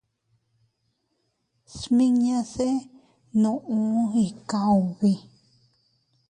Smiñase nuu ika ubi.